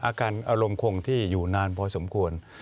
อารมณ์คงที่อยู่นานพอสมควร